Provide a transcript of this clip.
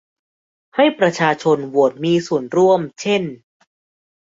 ให้ประชาชนโหวดมีส่วนร่วมเช่น